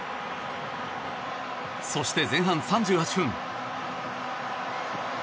そして前半３８分。